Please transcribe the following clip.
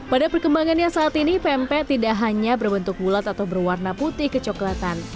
pada perkembangannya saat ini pempek tidak hanya berbentuk bulat atau berwarna putih kecoklatan